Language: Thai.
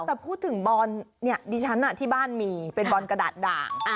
แต่พูดถึงบอลเนี่ยดิฉันที่บ้านมีเป็นบอลกระดาษด่าง